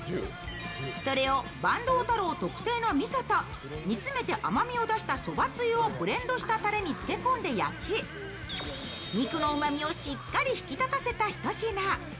それを、ばんどう太郎特製のみそと煮詰めて甘みを出したそばつゆをブレンドしたたれに漬け込んで焼き肉のうまみをしっかり引き立たせた一品。